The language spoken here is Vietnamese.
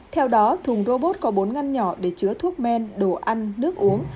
theo đó thùng robot có bốn ngăn nhỏ để chứa thuốc men đồ ăn nước uống